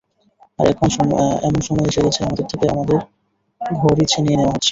আর এখন এমন সময় এসে গেছে আমাদের থেকে আমাদের ঘরই ছিনিয়ে নেওয়া হচ্ছে।